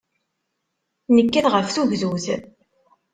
Nekkat ɣef tugdut.